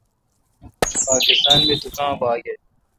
پاکستان می تو کاں باگ اؘ۔